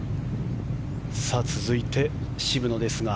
続いて、渋野ですが。